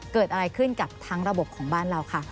เกิดอะไรขึ้นกับทั้งระบบของบ้านเราค่ะ